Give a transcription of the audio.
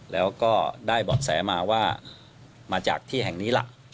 แล้วก็ได้เบาะแสมาว่ามาจากที่แห่งนี้ล่ะ